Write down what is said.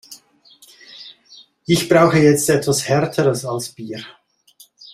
Ich brauche jetzt etwas härteres als Bier.